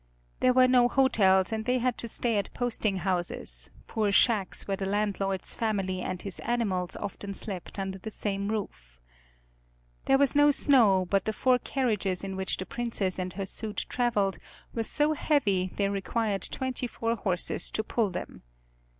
There were no hotels and they had to stay at posting houses, poor shacks where the landlord's family and his animals often slept under the same roof. There was no snow but the four carriages in which the Princess and her suite traveled were so heavy they required twenty four horses to pull them.